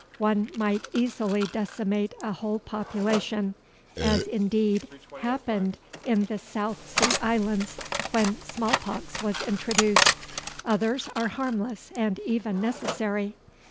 One might easily decimate a whole population, as indeed happened in the South Sea Islands when smallpox was introduced. Others are harmless and even necessary.